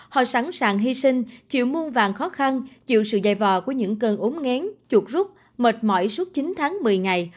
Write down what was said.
họ sẵn sàng hy sinh chịu muôn vàng khó khăn chịu sự dài vò của những cơn ốm ngén chuột rút mệt mỏi suốt chín tháng một mươi ngày